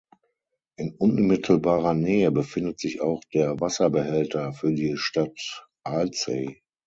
In unmittelbarer Nähe befindet sich auch der Wasserbehälter für die Stadt Alzey.